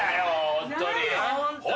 ホントに。